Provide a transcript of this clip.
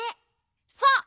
そう。